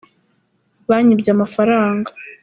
Banyibye amafaranga.